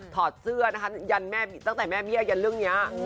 ถอดเสื้อนะคะตั้งแต่แม่เบี้ยยันเรื่องเนี้ย